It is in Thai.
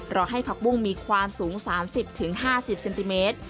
รอให้ผักบุ้งมีความสูง๓๐๕๐เซนติเมตร